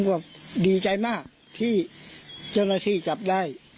ก็ดีใจมากที่เจ้าหน้าที่จับได้